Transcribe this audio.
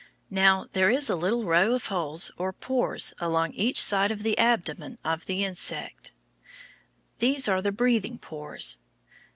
Now, there is a little row of holes or pores along each side of the abdomen of the insect. These are the breathing pores.